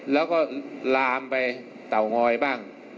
แล้วก็ลามไปเตางอยบ้าง